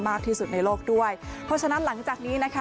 มากที่สุดในโลกด้วยเพราะฉะนั้นหลังจากนี้นะคะ